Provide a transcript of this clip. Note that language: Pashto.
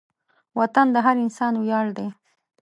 وطن د هر انسان ویاړ دی.